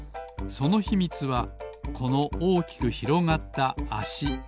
そのひみつはこのおおきくひろがったあし。